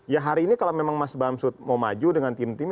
ya hari ini kalau memang mas bamsud mau maju dengan tim tim